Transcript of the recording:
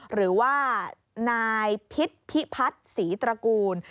หรือว่านายพิษพิพัฒน์ศรีตระกูล